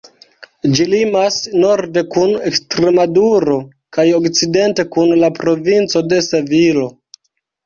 Ĝi limas norde kun Ekstremaduro kaj okcidente kun la provinco de Sevilo.